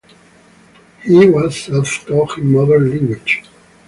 He was self-taught in modern languages.